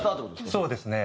そうですね。